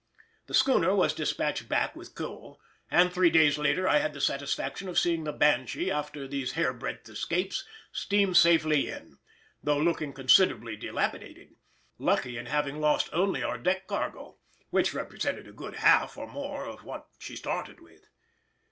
The schooner was despatched back with coal, and three days later I had the satisfaction of seeing the Banshee after these hair breadth escapes steam safely in, though looking considerably dilapidated; lucky in having lost only our deck cargo—which represented a good half, or more, of what she started with.